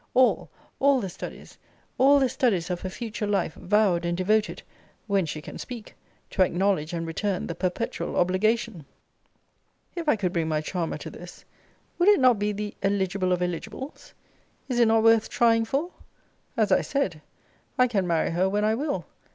All all the studies all the studies of her future life vowed and devoted (when she can speak) to acknowledge and return the perpetual obligation! If I could bring my charmer to this, would it not be the eligible of eligibles? Is it not worth trying for? As I said, I can marry her when I will.